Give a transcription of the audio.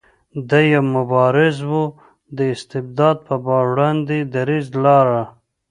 دی یو مبارز و د استبداد په وړاندې دریځ لاره.